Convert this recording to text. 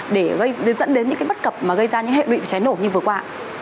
để dẫn đến những bất cập mà gây ra những hệ lụy cháy nổ như vừa qua